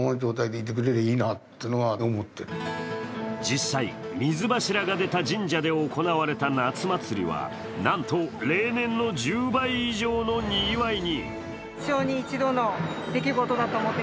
実際、水柱が出た神社で行われた夏祭りはなんと例年の１０倍以上のにぎわいに。